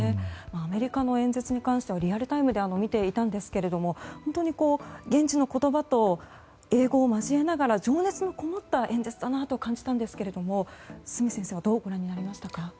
アメリカの演説に関してはリアルタイムで見ていたんですが英語を交えながら情熱のこもった演説だと感じたんですけど角先生はどうご覧になりましたか？